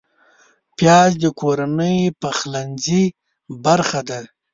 پیاز د کورنۍ پخلنځي برخه ده